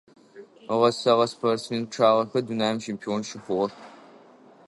Ыгъэсэгъэ спортсмен пчъагъэхэр дунаим чемпион щыхъугъэх.